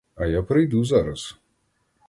А я прийду зараз.